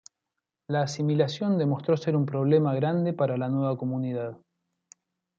La asimilación demostró ser un problema grande para la nueva comunidad.